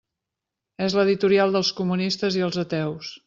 És l'editorial dels comunistes i els ateus.